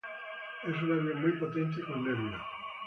Es un avión muy potente y con nervio.